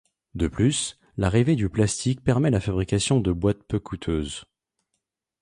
De plus, l'arrivée du plastique permet la fabrication de boîtes peu coûteuses.